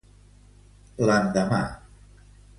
L'endemà.